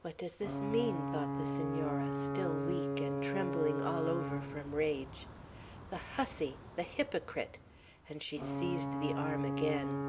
"What does this mean?" thought the Senora, still weak, and trembling all over, from rage. "The hussy, the hypocrite!" and she seized the arm again.